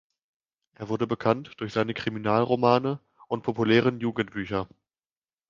Er wurde bekannt durch seine Kriminalromane und populären Jugendbücher.